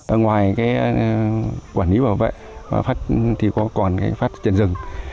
ở ngoài quản lý và bảo vệ còn phát triển rừng